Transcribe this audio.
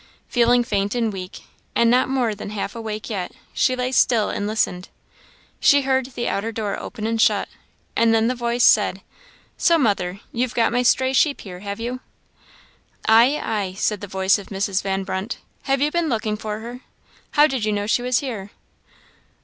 Feeling faint and weak, and not more than half awake yet, she lay still and listened. She heard the outer door open and shut, and then the voice said "So, mother, you've got my stray sheep here, have you?" "Ay, ay," said the voice of Mrs. Van Brunt; "have you been looking for her? how did you know she was here?"